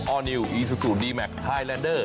อร์นิวอีซูซูดีแมคไฮแลนเดอร์